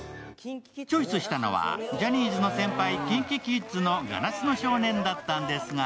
チョイスしたのはジャニーズの先輩・ＫｉｎＫｉＫｉｄｓの「硝子の少年」だったんですが